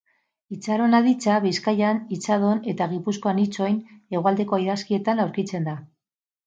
Itxaron aditza, Bizkaian itxadon eta Gipuzkoan itxoin, Hegoaldeko idazkietan aurkitzen da.